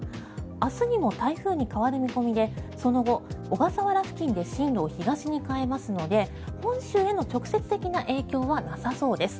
明日にも台風に変わる見込みでその後、小笠原付近で進路を東に変えますので本州への直接的な影響はなさそうです。